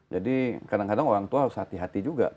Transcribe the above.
jadi kadang kadang orang tua harus hati hati juga